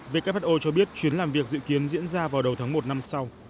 who cho biết chuyến làm việc dự kiến diễn ra vào đầu tháng một năm sau